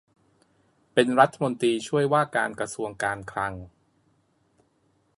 เป็นรัฐมนตรีช่วยว่าการกระทรวงการคลัง